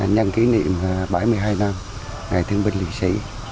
nhân kỷ niệm bảy mươi hai năm ngày thương binh liệt sĩ